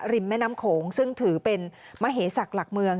แม่น้ำโขงซึ่งถือเป็นมเหศักดิ์หลักเมือง